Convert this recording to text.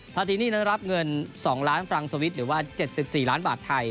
ที่นี่นั้นรับเงิน๒ล้านฟรังสิตหรือว่า๗๔ล้านบาทไทย